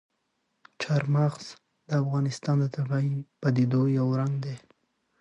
چار مغز د افغانستان د طبیعي پدیدو یو رنګ دی.